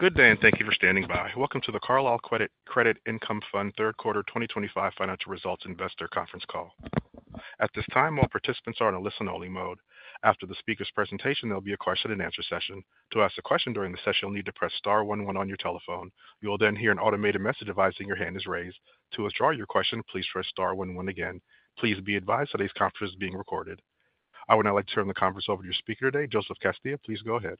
Good day and thank you for standing by. Welcome to the Carlyle Credit Income Fund Third Quarter 2025 Financial Results Investor Conference Call. At this time, all participants are in a listen-only mode. After the speaker's presentation, there will be a question-and-answer session. To ask a question during the session, you'll need to press star one one on your telephone. You will then hear an automated message advising your hand is raised. To withdraw your question, please press star one one again. Please be advised today's conference is being recorded. I would now like to turn the conference over to your speaker today, Joseph Castillo. Please go ahead.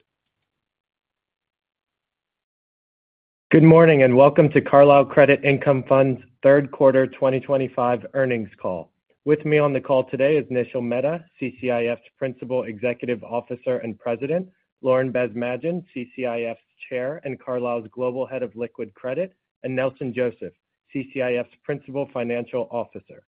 Good morning and welcome to Carlyle Credit Income Fund's Third Quarter 2025 Earnings Call. With me on the call today is Nishil Mehta, CCIF's Principal Executive Officer and President, Lauren Basmadjian, CCIF's Chair and Carlyle's Global Head of Liquid Credit, and Nelson Joseph, CCIF's Principal Financial Officer.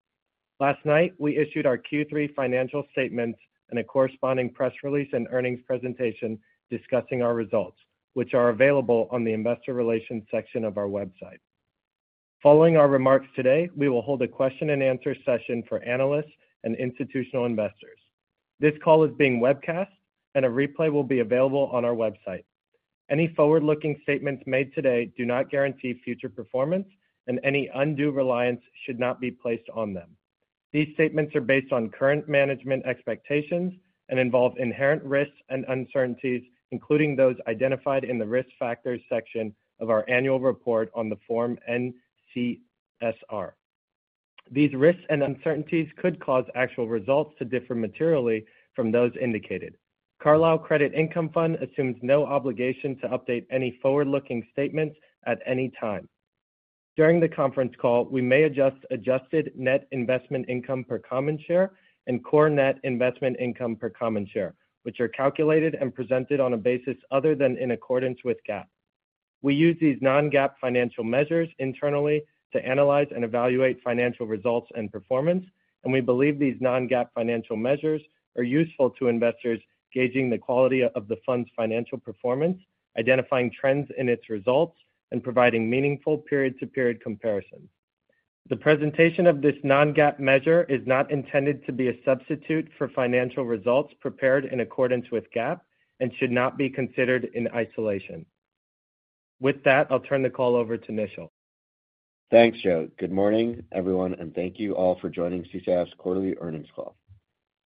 Last night, we issued our Q3 financial statements and a corresponding press release and earnings presentation discussing our results, which are available on the investor relations section of our website. Following our remarks today, we will hold a question-and-answer session for analysts and institutional investors. This call is being webcast, and a replay will be available on our website. Any forward-looking statements made today do not guarantee future performance, and any undue reliance should not be placed on them. These statements are based on current management expectations and involve inherent risks and uncertainties, including those identified in the risk factors section of our annual report on the form N-CSR. These risks and uncertainties could cause actual results to differ materially from those indicated. Carlyle Credit Income Fund assumes no obligation to update any forward-looking statements at any time. During the conference call, we may adjust adjusted net investment income per common share and core net investment income per common share, which are calculated and presented on a basis other than in accordance with GAAP. We use these non-GAAP financial measures internally to analyze and evaluate financial results and performance, and we believe these non-GAAP financial measures are useful to investors gauging the quality of the fund's financial performance, identifying trends in its results, and providing meaningful period-to-period comparisons. The presentation of this non-GAAP measure is not intended to be a substitute for financial results prepared in accordance with GAAP and should not be considered in isolation. With that, I'll turn the call over to Nishil. Thanks, Joe. Good morning, everyone, and thank you all for joining CCIF's Quarterly Earnings Call.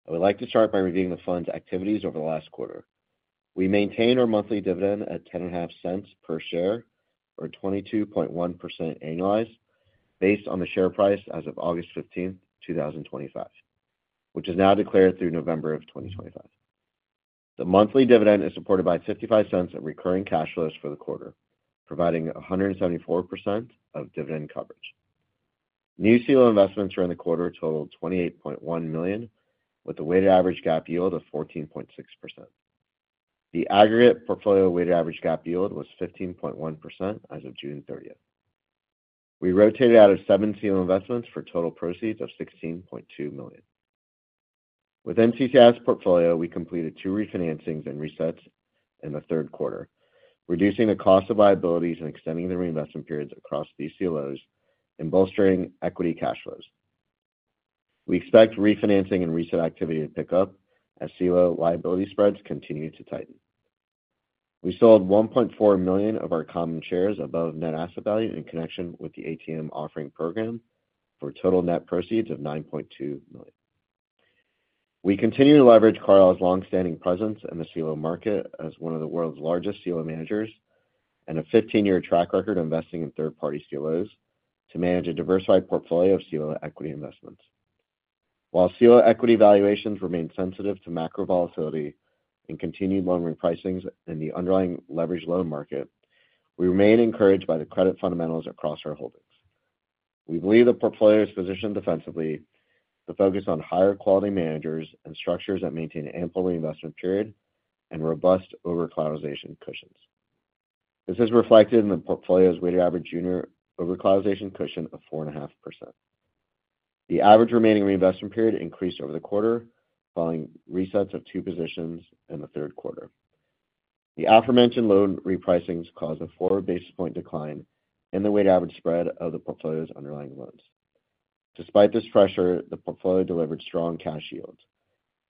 I would like to start by reviewing the fund's activities over the last quarter. We maintain our monthly dividend at $0.105 per share, or 22.1% annualized, based on the share price as of August 15th 2025, which is now declared through November of 2025. The monthly dividend is supported by $0.55 of recurring cash flows for the quarter, providing 174% of dividend coverage. New CLO investments during the quarter totaled $28.1 million, with a weighted average GAAP yield of 14.6%. The aggregate portfolio weighted average GAAP yield was 15.1% as of June 30th. We rotated out of seven CLO investments for total proceeds of $16.2 million. Within CCIF's portfolio, we completed two refinancings and resets in the third quarter, reducing the cost of liabilities and extending the reinvestment periods across these CLOs and bolstering equity cash flows. We expect refinancing and reset activity to pick up as CLO liability spreads continue to tighten. We sold 1.4 million of our common shares above Net Asset Value in connection with the ATM program for total net proceeds of $9.2 million. We continue to leverage Carlyle's longstanding presence in the CLO market as one of the world's largest CLO managers and a 15-year track record of investing in third-party CLOs to manage a diversified portfolio of CLO equity investments. While CLO equity valuations remain sensitive to macro volatility and continued loan repricings in the underlying leveraged loan market, we remain encouraged by the credit fundamentals across our holdings. We believe the portfolio is positioned defensively to focus on higher quality managers and structures that maintain ample reinvestment period and robust overcollateralization cushions. This is reflected in the portfolio's weighted average junior overcollateralization cushion of 4.5%. The average remaining reinvestment period increased over the quarter following resets of two positions in the third quarter. The aforementioned loan repricings caused a four basis point decline in the weighted average spread of the portfolio's underlying loans. Despite this pressure, the portfolio delivered strong cash yields,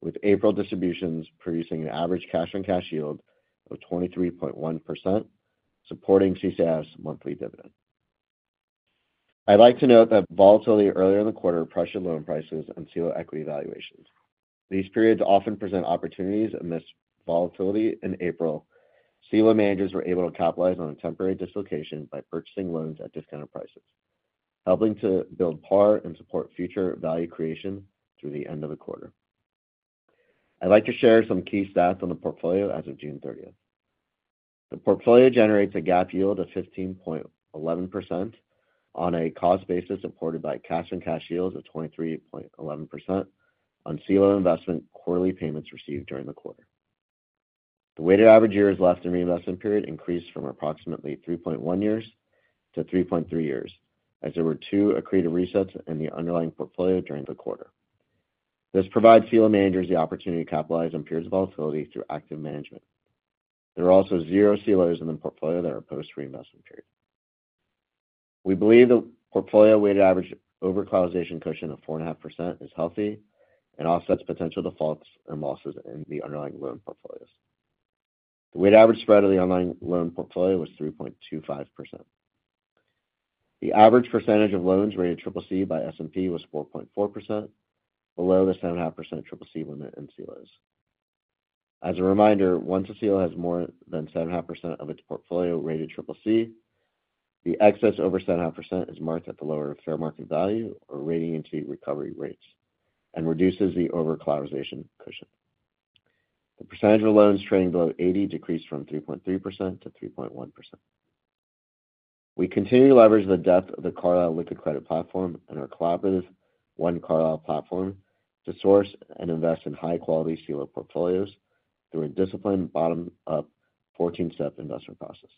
with April distributions producing an average cash-on-cash yield of 23.1%, supporting CCIF's monthly dividend. I'd like to note that volatility earlier in the quarter pressured loan prices and CLO equity valuations. These periods often present opportunities amidst volatility. In April, CLO managers were able to capitalize on a temporary dislocation by purchasing loans at discounted prices, helping to build par and support future value creation through the end of the quarter. I'd like to share some key stats on the portfolio as of June 30th. The portfolio generates a GAAP yield of 15.11% on a cost basis, supported by cash-on-cash yields of 23.11% on CLO investment quarterly payments received during the quarter. The weighted average years left in reinvestment period increased from approximately 3.1 years to 3.3 years, as there were two accretive resets in the underlying portfolio during the quarter. This provides CLO managers the opportunity to capitalize on periods of volatility through active management. There are also zero CLOs in the portfolio that are post-reinvestment period. We believe the portfolio weighted average junior overcollateralization cushion of 4.5% is healthy and offsets potential defaults and losses in the underlying loan portfolios. The weighted average spread of the underlying loan portfolio was 3.25%. The average percentage of loans rated CCC by S&P was 4.4%, below the 7.5% CCC limit in CLOs. As a reminder, once a CLO has more than 7.5% of its portfolio rated CCC, the excess over 7.5% is marked at the lower fair market value, or rating into recovery rates, and reduces the overcollateralization cushion. The percentage of loans trading below $80 decreased from 3.3% to 3.1%. We continue to leverage the depth of the Carlyle Liquid Credit platform and our collaborative One Carlyle platform to source and invest in high-quality CLO portfolios through a disciplined, bottom-up, 14-step investment process.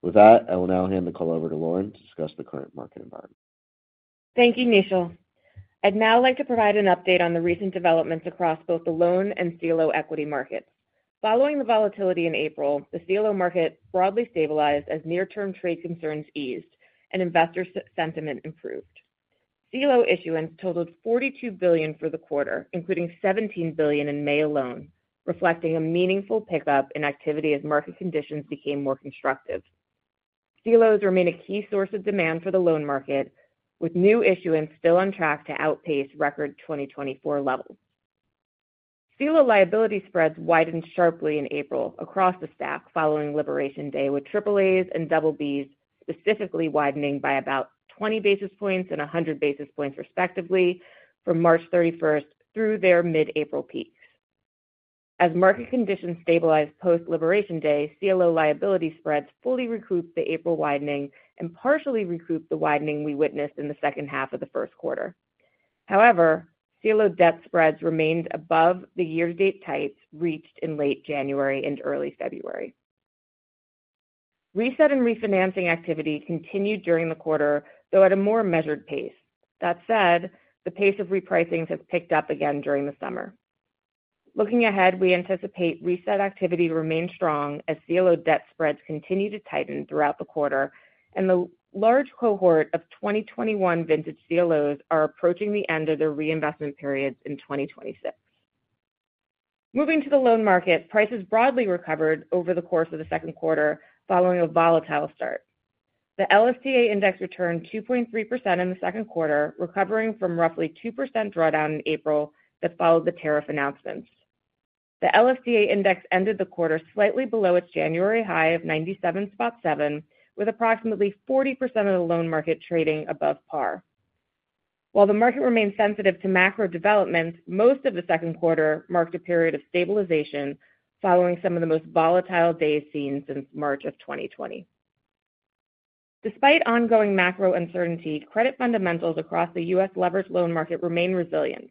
With that, I will now hand the call over to Lauren to discuss the current market environment. Thank you, Nishil. I'd now like to provide an update on the recent developments across both the loan and CLO equity markets. Following the volatility in April, the CLO market broadly stabilized as near-term trade concerns eased and investor sentiment improved. CLO issuance totaled $42 billion for the quarter, including $17 billion in May alone, reflecting a meaningful pickup in activity as market conditions became more constructive. CLOs remain a key source of demand for the loan market, with new issuance still on track to outpace record 2024 levels. CLO liability spreads widened sharply in April across the stack following Liberation Day, with AAAs and BBBs specifically widening by about 20 basis points and 100 basis points respectively from March 31st through their mid-April peak. As market conditions stabilized post-Liberation Day, CLO liability spreads fully recouped the April widening and partially recouped the widening we witnessed in the second half of the first quarter. However, CLO debt spreads remained above the year-to-date tights reached in late January and early February. Reset and refinancing activity continued during the quarter, though at a more measured pace. That said, the pace of repricings has picked up again during the summer. Looking ahead, we anticipate reset activity remains strong as CLO debt spreads continue to tighten throughout the quarter, and the large cohort of 2021 vintage CLOs are approaching the end of their reinvestment periods in 2026. Moving to the loan market, prices broadly recovered over the course of the second quarter following a volatile start. The LFTA ndex returned 2.3% in the second quarter, recovering from roughly 2% drawdown in April that followed the tariff announcements. The LFTA index ended the quarter slightly below its January high of 97.7, with approximately 40% of the loan market trading above par. While the market remains sensitive to macro developments, most of the second quarter marked a period of stabilization following some of the most volatile days seen since March of 2020. Despite ongoing macro uncertainty, credit fundamentals across the U.S. leveraged loan market remain resilient.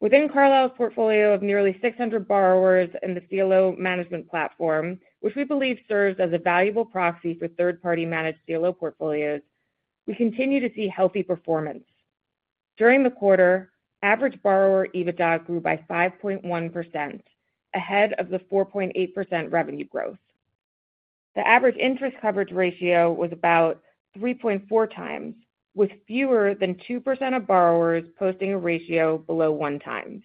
Within Carlyle's portfolio of nearly 600 borrowers and the CLO management platform, which we believe serves as a valuable proxy for third-party managed CLO portfolios, we continue to see healthy performance. During the quarter, average borrower EBITDA grew by 5.1%, ahead of the 4.8% revenue growth. The average interest coverage ratio was about 3.4x, with fewer than 2% of borrowers posting a ratio below 1x.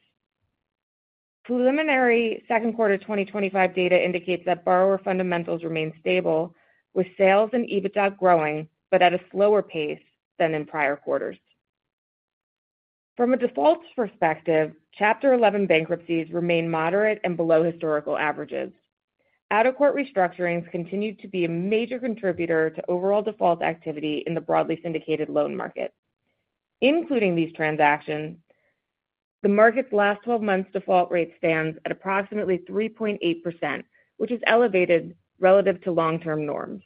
Preliminary second quarter 2025 data indicates that borrower fundamentals remain stable, with sales and EBITDA growing, but at a slower pace than in prior quarters. From a defaults perspective, Chapter 11 bankruptcies remain moderate and below historical averages. Out-of-court restructurings continue to be a major contributor to overall default activity in the broadly syndicated loan market. Including these transactions, the market's last 12 months' default rate stands at approximately 3.8%, which is elevated relative to long-term norms.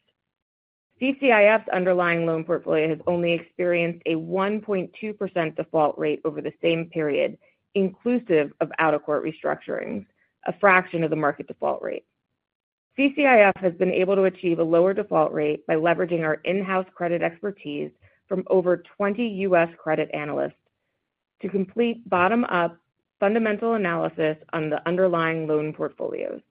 CCIF's underlying loan portfolio has only experienced a 1.2% default rate over the same period, inclusive of out-of-court restructurings, a fraction of the market default rate. CCIF has been able to achieve a lower default rate by leveraging our in-house credit expertise from over 20 U.S. credit analysts to complete bottom-up fundamental analysis on the underlying loan portfolios.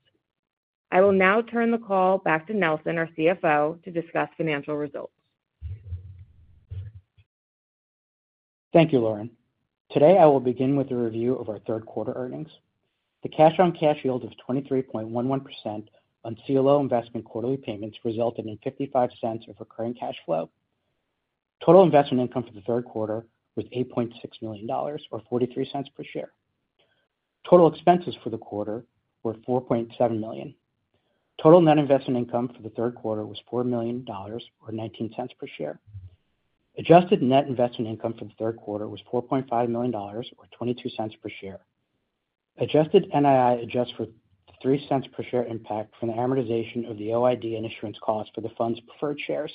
I will now turn the call back to Nelson Joseph, our CFO, to discuss financial results. Thank you, Lauren. Today, I will begin with a review of our third quarter earnings. The cash on cash yield of 23.11% on CLO investment quarterly payments resulted in $0.55 of recurring cash flow. Total investment income for the third quarter was $8.6 million, or $0.43 per share. Total expenses for the quarter were $4.7 million. Total net investment income for the third quarter was $4 million, or $0.19 per share. Adjusted net investment income for the third quarter was $4.5 million, or $0.22 per share. Adjusted NII adjusts for the $0.03 per share impact from the amortization of the OID and insurance costs for the fund's preferred shares.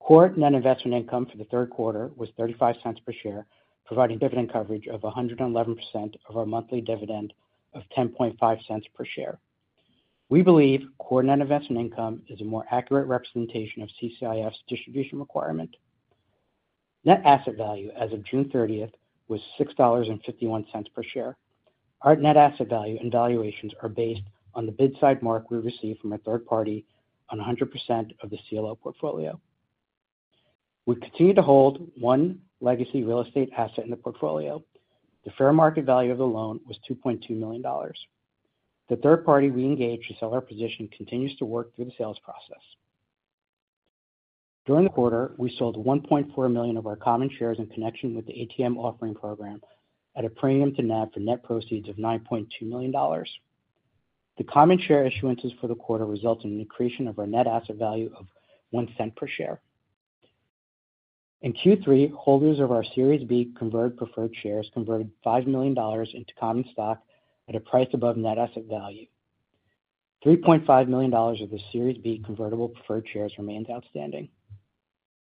Core net investment income for the third quarter was $0.35 per share, providing dividend coverage of 111% of our monthly dividend of $0.105 per share. We believe core net investment income is a more accurate representation of CCIF's distribution requirement. Net asset value as of June 30th was $6.51 per share. Our net asset value and valuations are based on the bid-side mark we received from a third-party on 100% of the CLO portfolio. We continue to hold one legacy real estate asset in the portfolio. The fair market value of the loan was $2.2 million. The third party we engaged to sell our position continues to work through the sales process. During the quarter, we sold 1.4 million of our common shares in connection with the ATM program at a premium to NAV for net proceeds of $9.2 million. The common share issuances for the quarter resulted in the creation of our net asset value of $0.01 per share. In Q3, holders of our Series B converted preferred shares converted $5 million into common stock at a price above net asset value. $3.5 million of the Series B convertible preferred shares remained outstanding.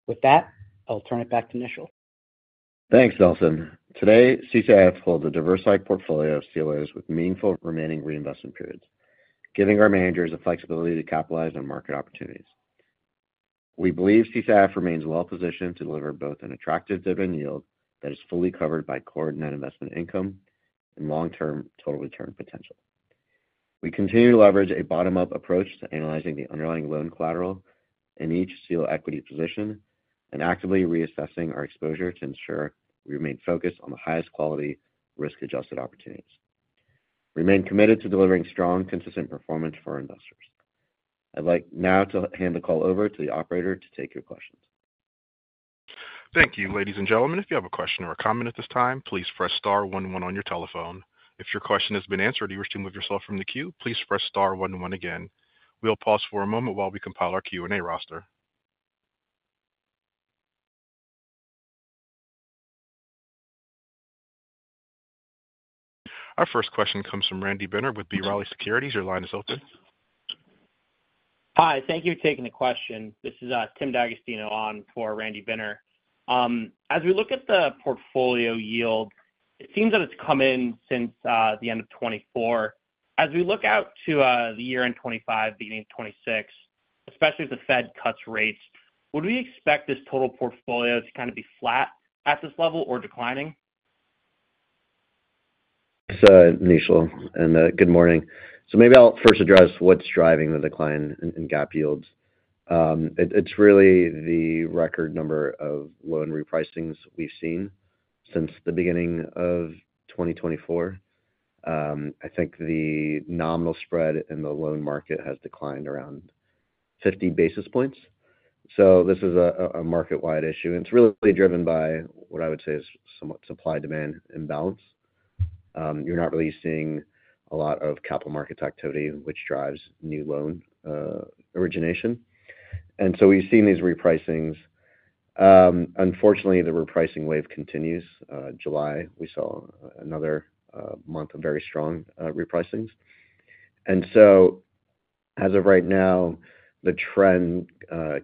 With that, I'll turn it back to Nishil. Thanks, Nelson. Today, CCIF holds a diversified portfolio of CLOs with meaningful remaining reinvestment periods, giving our managers the flexibility to capitalize on market opportunities. We believe CCIF remains well-positioned to deliver both an attractive dividend yield that is fully covered by core net investment income and long-term total return potential. We continue to leverage a bottom-up approach to analyzing the underlying loan collateral in each CLO equity position and actively reassessing our exposure to ensure we remain focused on the highest quality risk-adjusted opportunities. We remain committed to delivering strong, consistent performance for our investors. I'd like now to hand the call over to the operator to take your questions. Thank you, ladies and gentlemen. If you have a question or a comment at this time, please press star one one on your telephone. If your question has been answered and you wish to move yourself from the queue, please press star one one again. We'll pause for a moment while we compile our Q&A roster. Our first question comes from Randy Binner with B. Riley Securities. Your line is open. Hi, thank you for taking the question. This is Tim D'Agostino on for Randy Binner. As we look at the portfolio yield, it seems that it's come in since the end of 2024. As we look out to the year-end 2025, beginning of 2026, especially as the Fed cuts rates, would we expect this total portfolio to kind of be flat at this level or declining? Nishil, good morning. Maybe I'll first address what's driving the decline in GAAP yields. It's really the record number of loan repricings we've seen since the beginning of 2024. I think the nominal spread in the loan market has declined around 50 basis points. This is a market-wide issue, and it's really driven by what I would say is somewhat supply-demand imbalance. You're not really seeing a lot of capital market activity, which drives new loan origination. We've seen these repricings. Unfortunately, the repricing wave continues. In July, we saw another month of very strong repricings. As of right now, the trend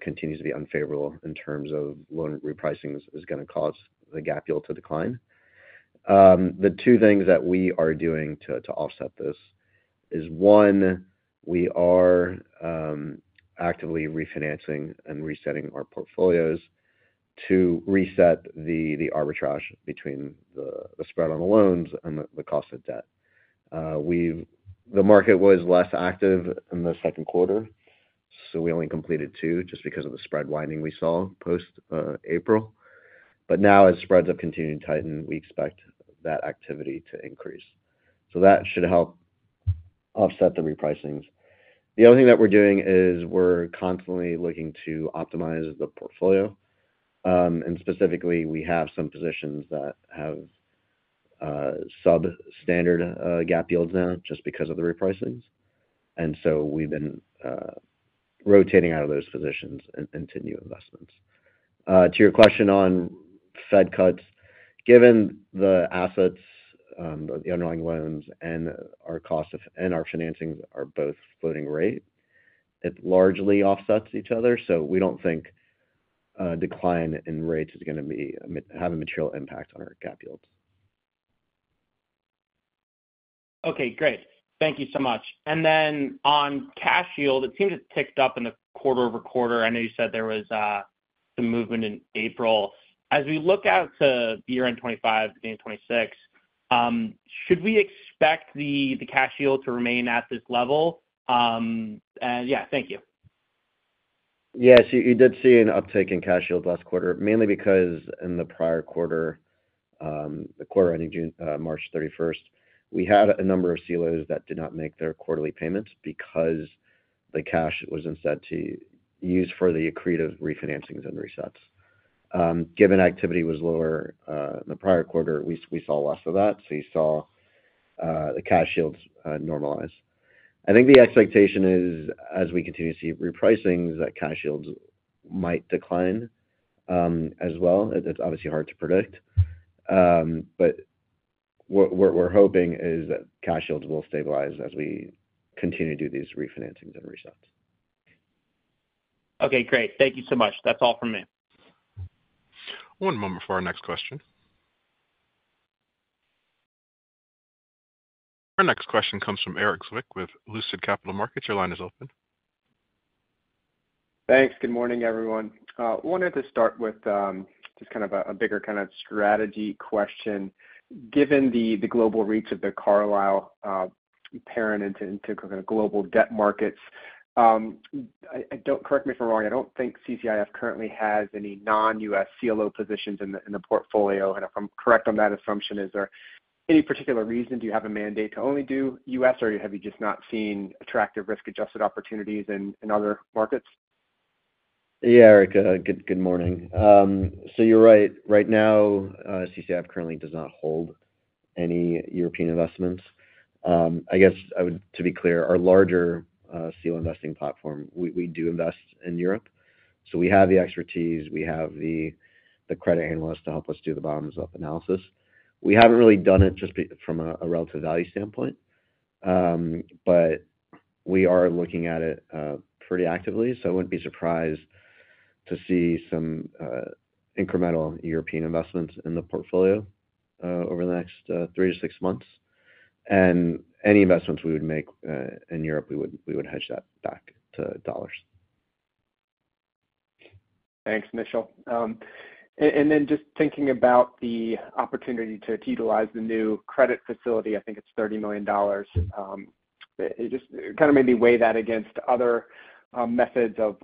continues to be unfavorable in terms of loan repricing causing the GAAP yield to decline. The two things that we are doing to offset this are, one, we are actively refinancing and resetting our portfolios to reset the arbitrage between the spread on the loans and the cost of debt. The market was less active in the second quarter, so we only completed two just because of the spread widening we saw post-April. Now, as spreads have continued to tighten, we expect that activity to increase. That should help offset the repricings. The other thing that we're doing is we're constantly looking to optimize the portfolio. Specifically, we have some positions that have substandard GAAP yields now just because of the repricings, so we've been rotating out of those positions into new investments. To your question on Fed cuts, given the assets, the underlying loans, and our cost of, and our financing are both floating rate, it largely offsets each other. We don't think a decline in rates is going to have a material impact on our GAAP yield. Okay, great. Thank you so much. On cash yield, it seems it's ticked up in the quarter-over-quarter. I know you said there was some movement in April. As we look out to year-end 2025 and 2026, should we expect the cash yield to remain at this level? Thank you. Yes, you did see an uptick in cash yield last quarter, mainly because in the prior quarter, the quarter ending March 31st, we had a number of CLOs that did not make their quarterly payments because the cash wasn't set to use for the accretive refinancings and resets. Given activity was lower in the prior quarter, we saw less of that. You saw the cash yields normalize. I think the expectation is, as we continue to see repricings, that cash yields might decline as well. It's obviously hard to predict. What we're hoping is that cash yields will stabilize as we continue to do these refinancings and resets. Okay, great. Thank you so much. That's all from me. One moment for our next question. Our next question comes from Erik Zwick with Lucid Capital Markets. Your line is open. Thanks. Good morning, everyone. I wanted to start with just kind of a bigger kind of strategy question. Given the global reach of the Carlyle parent into kind of global debt markets, I don't, correct me if I'm wrong, I don't think CCIF currently has any non-U.S. CLO positions in the portfolio. If I'm correct on that assumption, is there any particular reason? Do you have a mandate to only do U.S., or have you just not seen attractive risk-adjusted opportunities in other markets? Yeah, Eric, good morning. You're right. Right now, CCIF currently does not hold any European investments. I guess I would, to be clear, our larger CLO investing platform, we do invest in Europe. We have the expertise, we have the credit analysts to help us do the bottom-up analysis. We haven't really done it just from a relative value standpoint. We are looking at it pretty actively. I wouldn't be surprised to see some incremental European investments in the portfolio over the next three to six months. Any investments we would make in Europe, we would hedge that back to dollars. Thanks, Nishil. Just thinking about the opportunity to utilize the new credit facility, I think it's $30 million. Could you maybe weigh that against other methods of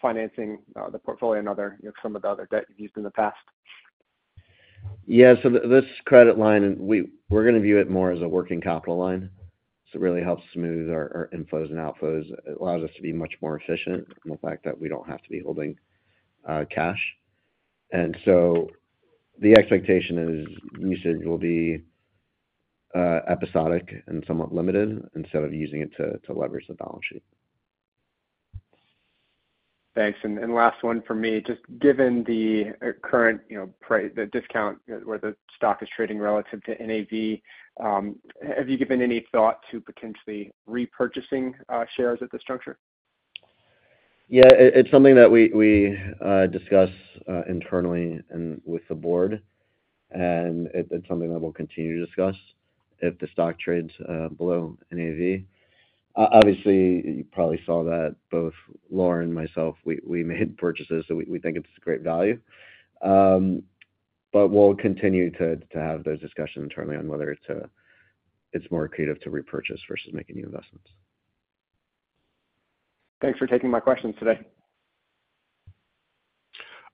financing the portfolio and some of the other debt you've used in the past? Yeah, so this credit line, we're going to view it more as a working capital line. It really helps smooth our inflows and outflows. It allows us to be much more efficient in the fact that we don't have to be holding cash. The expectation is, you said, it will be episodic and somewhat limited instead of using it to leverage the balance sheet. Thanks. Last one for me, just given the current, you know, the discount where the stock is trading relative to NAV, have you given any thought to potentially repurchasing shares at this juncture? Yeah, it's something that we discuss internally and with the board. It's something that we'll continue to discuss if the stock trades below NAV. Obviously, you probably saw that both Lauren and myself, we made purchases. We think it's a great value. We'll continue to have those discussions internally on whether it's more accretive to repurchase versus making new investments. Thanks for taking my questions today.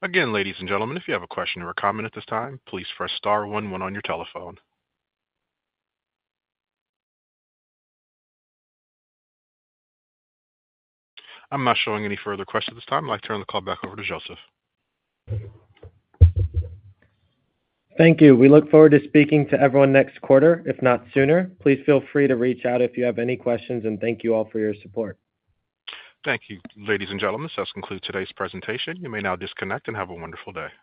Again, ladies and gentlemen, if you have a question or a comment at this time, please press star one one on your telephone. I'm not showing any further questions at this time. I'd like to turn the call back over to Joseph. Thank you. We look forward to speaking to everyone next quarter, if not sooner. Please feel free to reach out if you have any questions, and thank you all for your support. Thank you, ladies and gentlemen. This does conclude today's presentation. You may now disconnect and have a wonderful day.